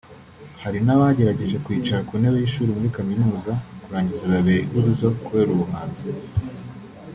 Hari n’abagerageje kwicara ku ntebe y’ishuri muri Kaminuza kurangiza bibabera ihurizo kubera ubuhanzi